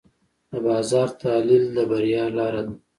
د بازار تحلیل د بریا لاره ده.